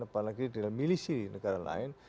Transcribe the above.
apalagi milisi negara lain